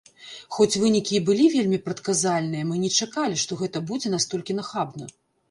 Хоць вынікі і былі вельмі прадказальныя, мы не чакалі, што гэта будзе настолькі нахабна.